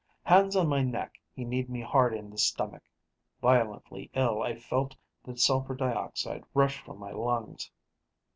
Hands on my neck, he kneed me hard in the stomach. Violently ill, I felt the sulfur dioxide rush from my lungs.